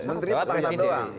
menteri pak jokowi